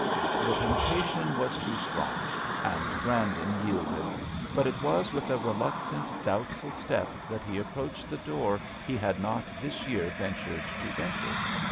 The temptation was too strong, and Grandon yielded; but it was with a reluctant, doubtful step that he approached the door he had not this year ventured to enter.